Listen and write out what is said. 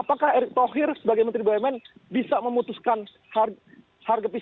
apakah erick thohir sebagai menteri bumn bisa memutuskan harga pcr